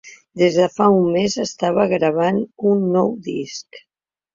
Des de fa un mes estava gravant un nou disc.